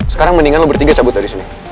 sekarang mendingan lo bertiga cabut dari sini